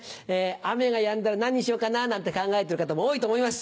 雨がやんだら何しようかななんて考えてる方も多いと思います。